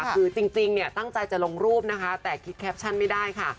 คือจริงเนี่ยตั้งใจจะลงรูปนะคะแต่คิดแคปชั่นไม่ได้ค่ะ